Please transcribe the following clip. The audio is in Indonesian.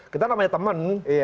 kita namanya teman